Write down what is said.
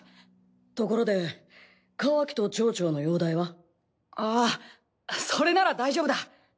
ところでカワキとチョウチョウの容体は？ああそれなら大丈夫だ。